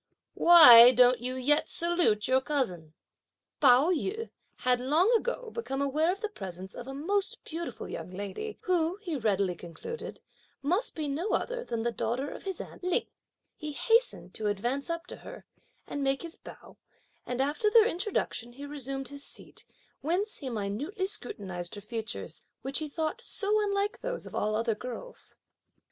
Why don't you yet salute your cousin?" Pao yü had long ago become aware of the presence of a most beautiful young lady, who, he readily concluded, must be no other than the daughter of his aunt Lin. He hastened to advance up to her, and make his bow; and after their introduction, he resumed his seat, whence he minutely scrutinised her features, (which he thought) so unlike those of all other girls.